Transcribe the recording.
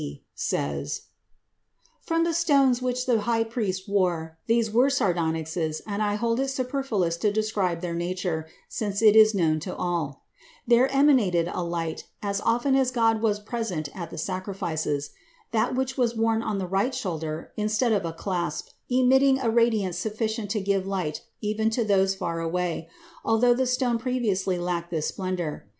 D.) says: From the stones which the high priest wore (these were sardonyxes, and I hold it superfluous to describe their nature, since it is known to all), there emanated a light, as often as God was present at the sacrifices; that which was worn on the right shoulder instead of a clasp emitting a radiance sufficient to give light even to those far away, although the stone previously lacked this splendor.